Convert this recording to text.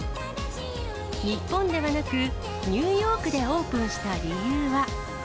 日本ではなく、ニューヨークでオープンした理由は。